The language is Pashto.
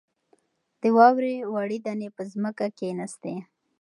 د واورې وړې دانې په ځمکه کښېناستې.